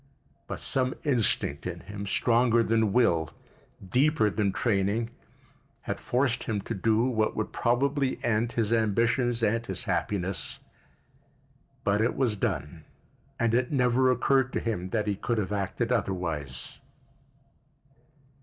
But some instinct in him, stronger than will, deeper than training, had forced him to do what would probably end his ambitions and his happiness. But it was done and it never occurred to him that he could have acted otherwise.